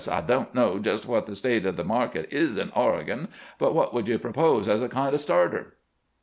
I don't know just what the state of the market is in Oregon, but what would you propose as a kind o' starter?"